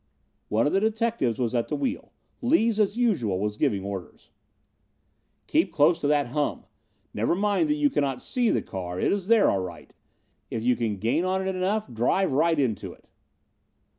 One of the detectives was at the wheel. Lees, as usual, was giving orders: "Keep close to that hum. Never mind that you cannot see the car. It is there all right. If you can gain on it enough, drive right into it."